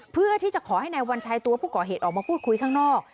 เพื่อที่จะขอให้นายวัญชัยตัวผู้ก่อเหตุออกมาพูดคุยข้างนอก